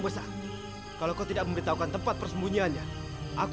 suci tidak mungkin membunuhmu